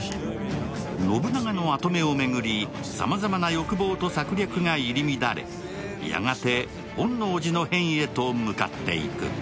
信長を跡目をめぐり様々な欲望と策略が入り乱れやがて本能寺の変へと向かっていく